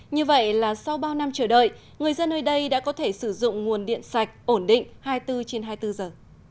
như vậy là sau bao năm chờ đợi người dân nơi đây đã có thể sử dụng nguồn điện sạch ổn định hai mươi bốn trên hai mươi bốn giờ